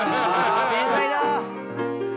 天才だ。